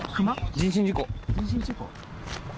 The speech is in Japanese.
人身事故？